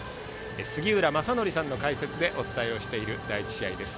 杉浦正則さんの解説でお伝えをしている第１試合です。